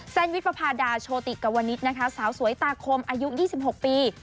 แซนวิทย์ประพาดาโชติกะวณิชย์สาวสวยตาคมอายุ๒๖ปี